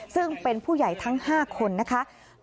ซึ่งเป็นผู้ใหญ่ทั้ง๕คนนะคะ